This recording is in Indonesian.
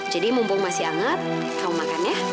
jadi mumpung masih hangat kamu makan ya